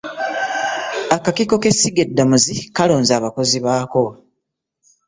Akakiiko k'esiga eddamuzi kalonze abakozi baako.